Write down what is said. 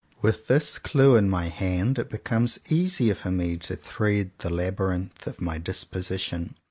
With this clue in my hand it becomes easier for me to thread the labyrinth of my disposition.